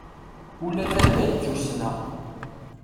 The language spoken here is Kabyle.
Ula d addal d tussna.